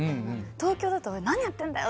東京だと何やってんだよ！